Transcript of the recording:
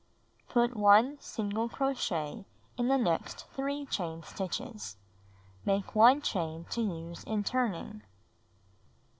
Put 1 single crochet in the next 3 chain stitches. Make 1 chain to use in turning.